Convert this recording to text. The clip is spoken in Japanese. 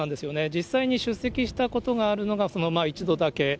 実際に出席したことがあるのが１度だけ。